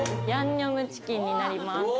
ヤンニョムチキンになります。